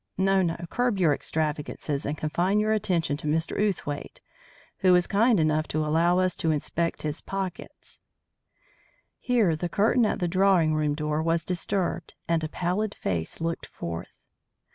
No, no! curb your extravagances and confine your attention to Mr. Outhwaite, who is kind enough to allow us to inspect his pockets " Here the curtain at the drawing room door was disturbed and a pallid face looked forth.